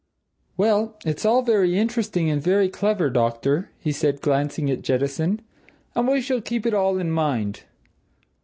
"Well it's all very interesting and very clever, doctor," he said, glancing at Jettison. "And we shall keep it all in mind.